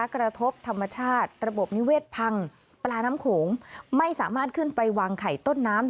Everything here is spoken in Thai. กระทบธรรมชาติระบบนิเวศพังปลาน้ำโขงไม่สามารถขึ้นไปวางไข่ต้นน้ำ